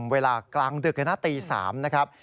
เวลากลางดึกในหน้าตี๓นะครับ